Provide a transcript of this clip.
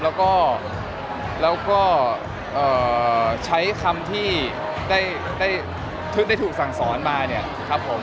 แล้วก็ใช้คำที่ได้ถูกสั่งสอนมาเนี่ยครับผม